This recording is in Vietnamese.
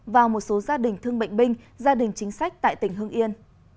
và một số gia đình thương bệnh binh gia đình chính sách tại tỉnh hưng yên